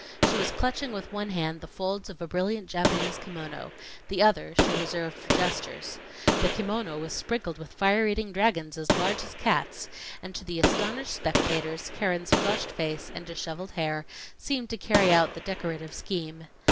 She was clutching with one hand the folds of a brilliant Japanese kimono, the other she reserved for gestures. The kimono was sprinkled with fire eating dragons as large as cats; and to the astonished spectators, Keren's flushed face and disheveled hair seemed to carry out the decorative scheme.